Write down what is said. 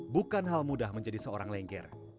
bukan hal mudah menjadi seorang lengger